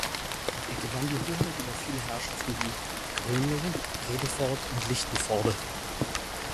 Er gewann die Hoheit über viele Herrschaften wie Groenlo, Bredevoort und Lichtenvoorde.